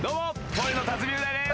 ふぉゆの辰巳雄大です。